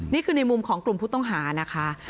นี่คือในมุมของกลุ่มผู้ต้องหานะคะ